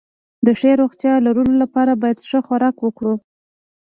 د ښې روغتيا لرلو لپاره بايد ښه خوراک وکړو